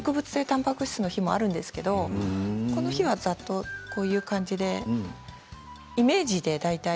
たんぱく質の日もあるんですけれどこの日は、ざっとこういう感じでイメージで。